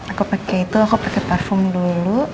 aku pake itu aku pake parfum dulu